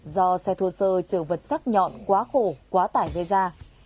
do xe thô sơ trở vật xác nhọn quá khổ quá tải gây ra